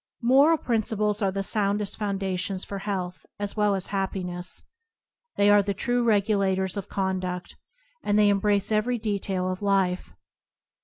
'' Moral principles are the soundest foun dations for health, as well as for happiness. They are the true regulators of conduct, and they embrace every detail of life.